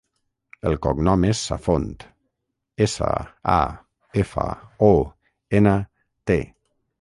El cognom és Safont: essa, a, efa, o, ena, te.